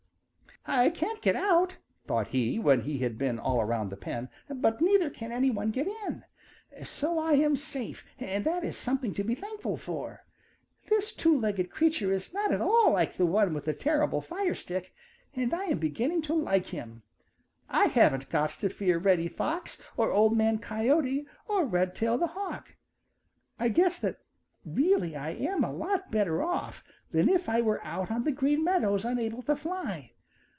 "I can't get out," thought he, when he had been all around the pen, "but neither can any one get in, so I am safe and that is something to be thankful for. This two legged creature is not at all like the one with the terrible fire stick, and I am beginning to like him. I haven't got to fear Reddy Fox or Old Man Coyote or Redtail the Hawk. I guess that really I am a lot better off than if I were out on the Green Meadows unable to fly.